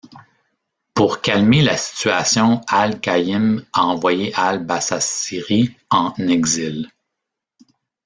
Pour calmer la situation Al-Qa'im a envoyé Al-Basâsiri en exil.